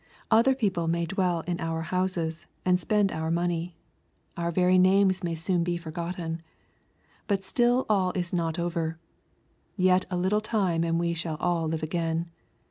Other people naiiy dwell in our houseSj and spend our money. Our very names may soon be forgotten. But still all is not over ! Yet a little time and we shall all live again.